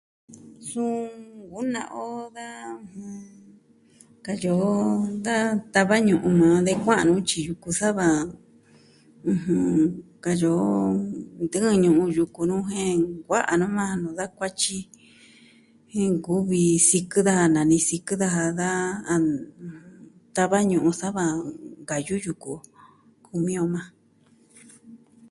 Suu nkuna'a on da, katyi o, tava ñu'un de kua'an nu tyiji yuku sa va ɨjɨn, katyi o, ntɨɨn ñu'un yuku nuu jen nkuaa nuu majan nuu da kuatyi, jen nkuvi sikɨ daja nani sikɨ daja da a tava ñu'un sa va nkayu yuku. Kumi o majan.